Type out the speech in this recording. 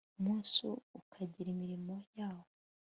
umunsi ukagira imirimo yawo